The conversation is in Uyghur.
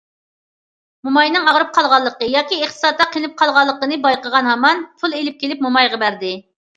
موماينىڭ ئاغرىپ قالغانلىقى ياكى ئىقتىسادتا قىينىلىپ قالغانلىقىنى بايقىغان ھامان، پۇل ئېلىپ كېلىپ مومايغا بەردى.